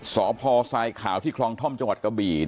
สพซข่าวที่คลองธร่อมจกะบี